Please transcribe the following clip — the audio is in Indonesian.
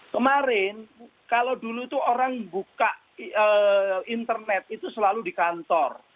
kemarin kalau dulu itu orang buka internet itu selalu di kantor